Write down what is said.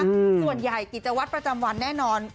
ส่วนใหญ่กิจวัตรประจำวันแน่นอน